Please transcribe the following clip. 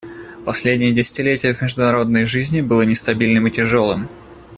Последнее десятилетие в международной жизни было нестабильным и тяжелым.